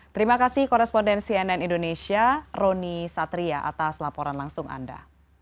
terima kasih koresponden cnn indonesia roni satria atas laporan langsung anda